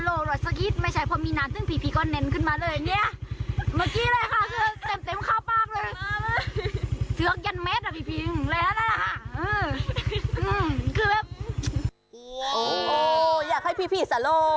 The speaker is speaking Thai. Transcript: โอ้โหอยากให้พี่สโล